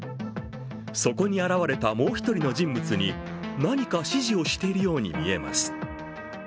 そこに現れたもう一人の人物に何か指示をしているように見えます。